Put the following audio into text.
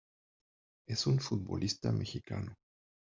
Es un futbolista mexicano.